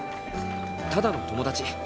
ただの友達。